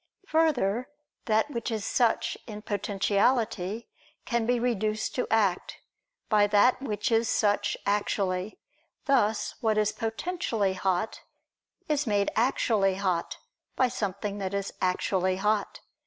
Obj. 2: Further, that which is such in potentiality, can be reduced to act, by that which is such actually: thus what is potentially hot, is made actually hot, by something that is actually hot.